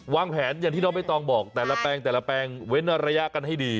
วางแผนอย่างที่น้องเบ้ตองบอกแต่ละแปลงเว้นระยะกันให้ดี